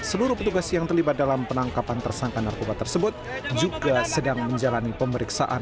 seluruh petugas yang terlibat dalam penangkapan tersangka narkoba tersebut juga sedang menjalani pemeriksaan